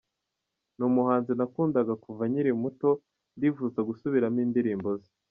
Ni umuhanzi nakundaga kuva nkiri muto, ndifuza gusubiramo indirimbo ze.